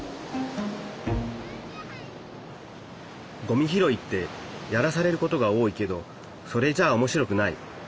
ごみ拾いってやらされることが多いけどそれじゃあ面白くない。